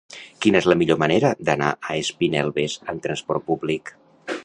Quina és la millor manera d'anar a Espinelves amb trasport públic?